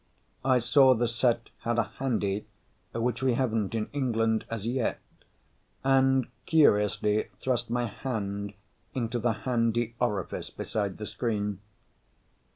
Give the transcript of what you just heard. I saw the set had a handie, which we haven't in England as yet, and curiously thrust my hand into the handie orifice beside the screen.